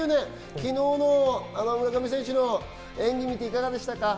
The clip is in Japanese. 昨日の村上選手の演技、いかがでしたか？